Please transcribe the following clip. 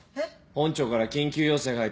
本庁から緊急要請が入った。